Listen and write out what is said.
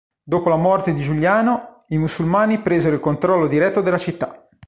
Dopo la morte di Giuliano, i musulmani presero il controllo diretto della città.